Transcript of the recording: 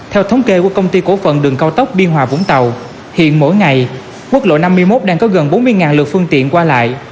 theo thống kê của công ty cổ phận đường cao tốc biên hòa vũng tàu hiện mỗi ngày quốc lộ năm mươi một đang có gần bốn mươi lượt phương tiện qua lại